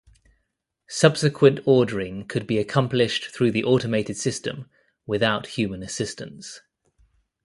Subsequent ordering could be accomplished through the automated system without human assistance.